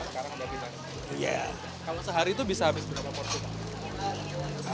kalau sehari itu bisa habis berapa porsi pak